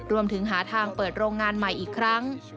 รวมถึงหาทางเปิดโรงงานใหม่อีกครั้ง